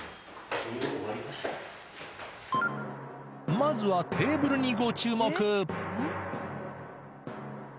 まずはテーブルにご注目。